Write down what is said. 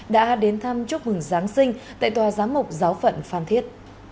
đã đến thăm chúc mừng giáng sinh tại tòa giám mục giáo phận phan thiết